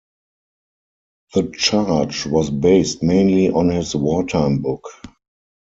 The charge was based mainly on his wartime book.